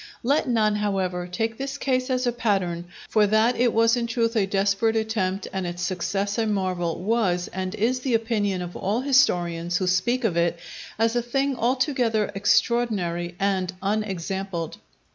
Let none, however, take this case as a pattern; for that it was in truth a desperate attempt, and its success a marvel, was and is the opinion of all historians, who speak of it as a thing altogether extraordinary and unexampled.